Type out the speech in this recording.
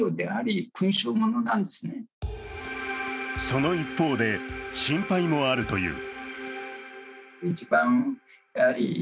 その一方で、心配もあるという。